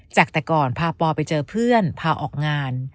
จากแต่ก่อนพาปอไปเจอเพื่อนพาออกงาน